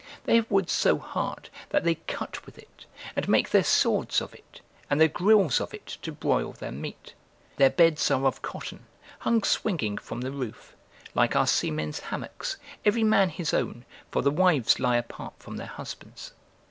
They have wood so hard, that they cut with it, and make their swords of it, and their grills of it to broil their meat. Their beds are of cotton, hung swinging from the roof, like our seamen's hammocks, every man his own, for the wives lie apart from their husbands.